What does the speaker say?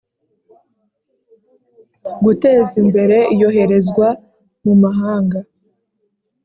Guteza Imbere Iyoherezwa mu Mahanga